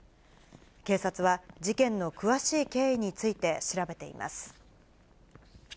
警察は、事件の詳しい経緯について、調べています。